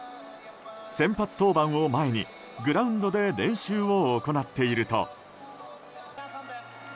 先発登板を前にグラウンドで練習を行っていると。